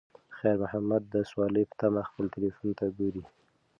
خیر محمد د سوارلۍ په تمه خپل تلیفون ته ګوري.